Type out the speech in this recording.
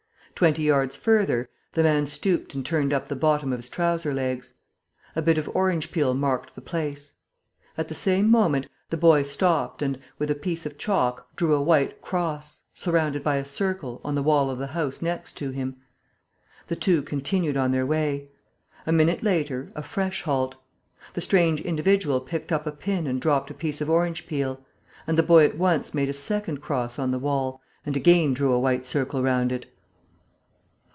Twenty yards farther, the man stooped and turned up the bottom of his trousers legs. A bit of orange peel marked the place. At the same moment, the boy stopped and, with a piece of chalk, drew a white cross, surrounded by a circle, on the wall of the house next to him. The two continued on their way. A minute later, a fresh halt. The strange individual picked up a pin and dropped a piece of orange peel; and the boy at once made a second cross on the wall and again drew a white circle round it.